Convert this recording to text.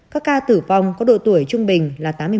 các ca tử vong có độ tuổi trung bình là tám mươi sáu